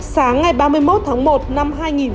sáng ngày ba mươi một tháng một năm hai nghìn một mươi chín